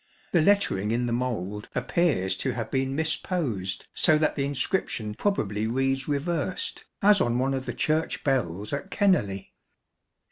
The lettering in the mould appears to have been misposed so that the inscription probably reads reversed, as on one of the Church bells at Kennerley.